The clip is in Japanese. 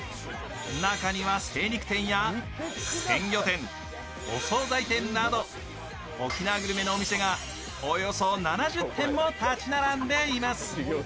中には精肉店や鮮魚店お総菜店など沖縄グルメのお店がおよそ７０店も立ち並んでいます。